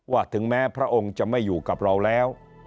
ถึงแม้พระองค์จะไม่อยู่กับเราแล้ว